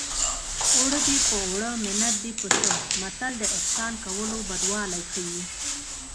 اوړه دې په اوړه منت دې په څه متل د احسان کولو بدوالی ښيي